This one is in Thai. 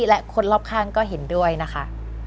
และคนรอบข้างก็เห็นด้วยนะคะ